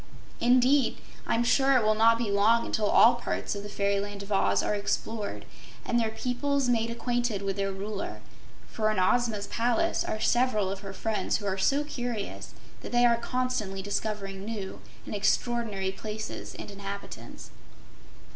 Indeed, I'm sure it will not be long until all parts of the fairyland of Oz are explored and their peoples made acquainted with their Ruler, for in Ozma's palace are several of her friends who are so curious that they are constantly discovering new and extraordinary places and inhabitants.